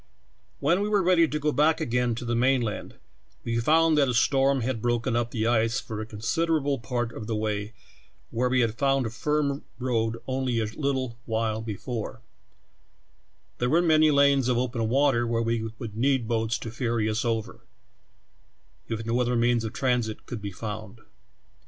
"When we were read}^ to go back again to the main land, we found that a storm had broken up the ice for a considerable part of the way where we had found a firm road only a little while before ; there were many lanes of open water where we would need boats to ferr^^ us over, if no other means of transit could be found.